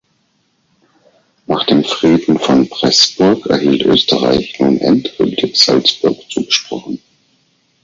Nach dem Frieden von Pressburg erhielt Österreich nun endgültig Salzburg zugesprochen.